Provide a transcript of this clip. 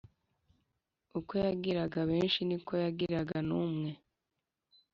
uko yagira benshi ni ko yagira n’umwe,